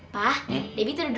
pa debbie tidur dulu ya